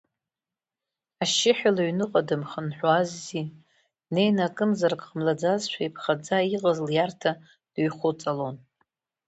Ашьшьыҳәа лыҩныҟа дымхынҳәуаззи, днеины акымзарак ҟамлаӡазшәа иԥхаӡа иҟаз лиарҭа дыҩхәыҵалон.